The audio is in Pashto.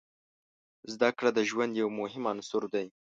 زده کړه د ژوند یو مهم عنصر دی.